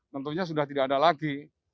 tentunya sudah tidak ada lagi